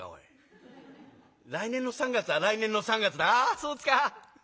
「ああそうですか。